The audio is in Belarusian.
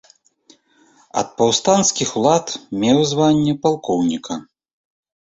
Ад паўстанцкіх улад меў званне палкоўніка.